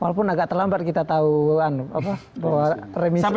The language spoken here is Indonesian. walaupun agak terlambat kita tahu bahwa remisi